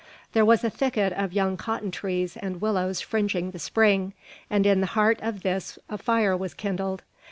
There was a thicket of young cotton trees and willows fringing the spring, and in the heart of this a fire was kindled.